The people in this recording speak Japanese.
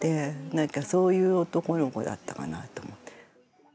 なんかそういう男の子だったかなと思って。